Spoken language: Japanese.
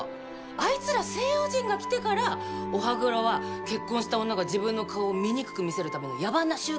あいつら西洋人が来てから「お歯黒は結婚した女が自分の顔を醜く見せるための野蛮な習慣だ！」